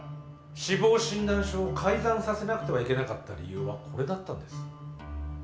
死亡診断書を改ざんさせなくてはいけなかった理由はこれだったんです。